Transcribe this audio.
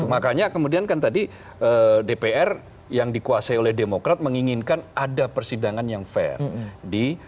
makanya kemudian kan tadi dpr yang dikuasai oleh demokrat menginginkan ada persidangan yang fair